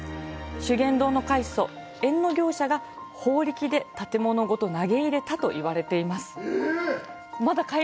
修験道の開祖役行者が法力で建物ごと投げ入れたと言われています。